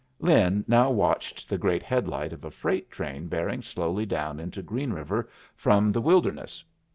Lin now watched the great headlight of a freight train bearing slowly down into Green River from the wilderness.